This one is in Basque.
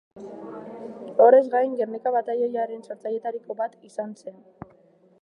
Horrez gain, Gernika Batailoiaren sortzailetariko bat izan zen.